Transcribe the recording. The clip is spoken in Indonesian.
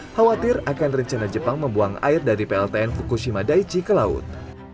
khawatir akan rencana jepang membuang air dari pltn fukushima daichi ke laut